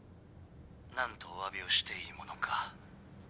何とおわびをしていいものか。